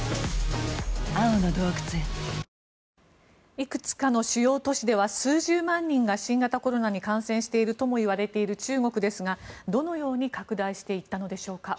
いくつかの主要都市では数十万人が新型コロナに感染しているともいわれている中国ですがどのように拡大していったのでしょうか。